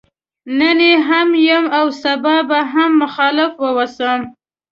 نن يې هم يم او سبا به هم مخالف واوسم.